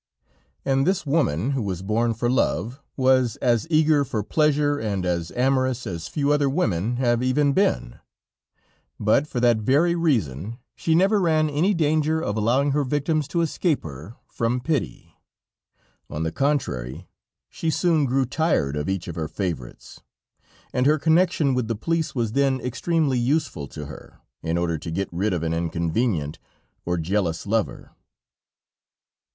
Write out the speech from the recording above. [Footnote 6: An Exotic Prince.] And this woman, who was born for love, was as eager for pleasure and as amorous as few other women have even been, but for that very reason she never ran any danger of allowing her victims to escape her from pity; on the contrary, she soon grew tired of each of her favorites, and her connection with the police was then extremely useful to her, in order to get rid of an inconvenient, or jealous lover.